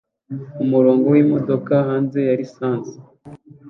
Umurongo wimodoka hanze ya lisansi